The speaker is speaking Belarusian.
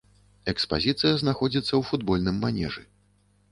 Экспазіцыя знаходзіцца ў футбольным манежы.